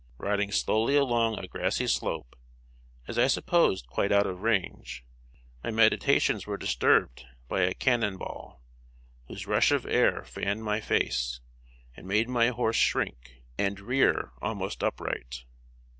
Riding slowly along a grassy slope, as I supposed quite out of range, my meditations were disturbed by a cannon ball, whose rush of air fanned my face, and made my horse shrink and rear almost upright.